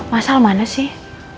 masalah mana sih